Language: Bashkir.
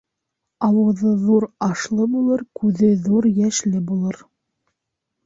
Ауыҙы ҙур ашлы булыр, күҙе ҙур йәшле булыр.